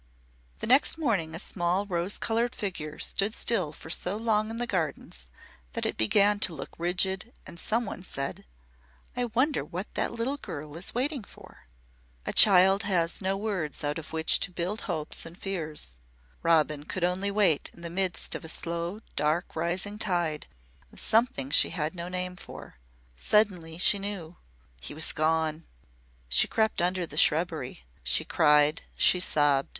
The next morning a small, rose coloured figure stood still for so long in the gardens that it began to look rigid and some one said, "I wonder what that little girl is waiting for." A child has no words out of which to build hopes and fears. Robin could only wait in the midst of a slow dark rising tide of something she had no name for. Suddenly she knew. He was gone! She crept under the shrubbery. She cried, she sobbed.